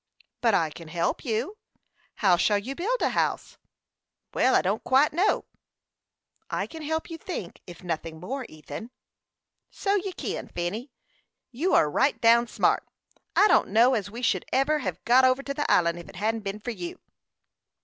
"But I can help you. How shall you build a house?" "Well, I don't quite know." "I can help you think, if nothing more, Ethan." "So you kin, Fanny. You are right down smart. I don't know as we should ever hev got over to this island ef't hadn't been for you."